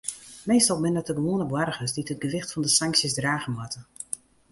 Meastal binne it de gewoane boargers dy't it gewicht fan de sanksjes drage moatte.